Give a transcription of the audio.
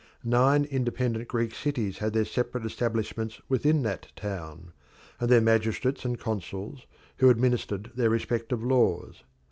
Nine independent Greek cities had their separate establishments within that town, and their magistrates and consuls, who administered their respective laws.